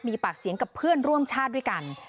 มีปากเสียงกับเพื่อนร่วมชาติด้วยกัน